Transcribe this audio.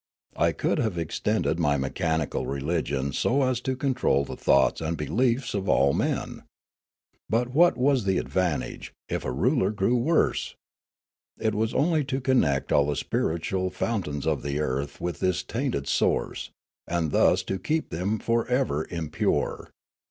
I could have extended my mechanical re ligion so as to control the thoughts and beliefs of all Noola 383 men. But what was the advantage, if the ruler grew worse ? It was only to connect all the spiritual fount ains of the earth with this tainted source, and thus to keep them for ever impure.